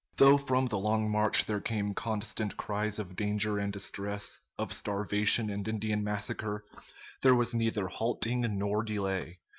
Though from the long march there came constant cries of danger and distress, of starvation and Indian massacre, there was neither halting nor delay.